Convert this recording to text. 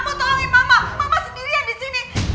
mama sendirian di sini